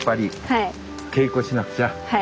はい。